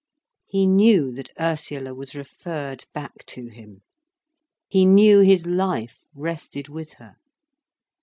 He knew that Ursula was referred back to him. He knew his life rested with her.